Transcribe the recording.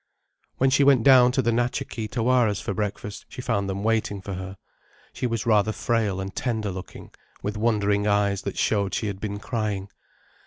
When she went down to the Natcha Kee Tawaras for breakfast she found them waiting for her. She was rather frail and tender looking, with wondering eyes that showed she had been crying.